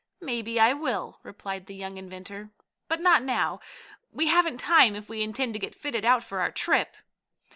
"Maybe I will," replied the young inventor. "But not now. We haven't time, if we intend to get fitted out for our trip."